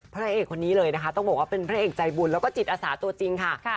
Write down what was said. พระเอกคนนี้เลยนะคะต้องบอกว่าเป็นพระเอกใจบุญแล้วก็จิตอาสาตัวจริงค่ะ